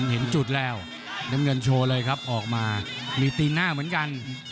เห็นจุดแล้วน้ำเงินโชว์เลยครับออกมามีตีนหน้าเหมือนกัน